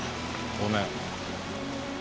ごめん。